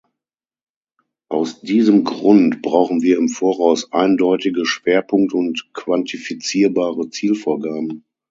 Aus diesem Grund brauchen wir im Voraus eindeutige Schwerpunkte und quantifizierbare Zielvorgaben.